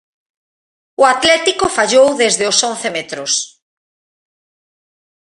O Atlético fallou desde os once metros.